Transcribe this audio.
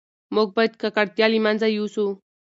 موږ باید ککړتیا له منځه یوسو.